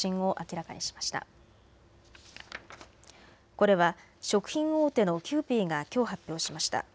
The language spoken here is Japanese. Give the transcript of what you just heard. これは食品大手のキユーピーがきょう発表しました。